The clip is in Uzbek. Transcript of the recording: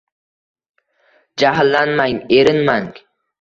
Jahllanmang, erinmang